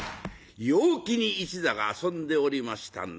陽気に一座が遊んでおりましたんだが。